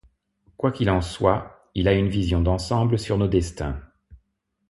Quoi qu’il en soit, il a une vision d’ensemble sur nos destins.